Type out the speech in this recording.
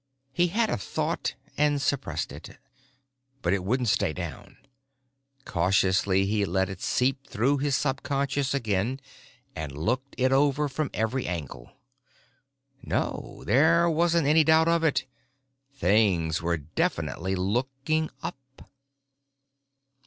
He had a thought, and suppressed it. But it wouldn't stay down. Cautiously he let it seep through his subconscious again, and looked it over from every angle. No, there wasn't any doubt of it. Things were definitely looking up!